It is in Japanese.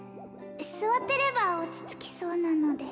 座ってれば落ち着きそうなので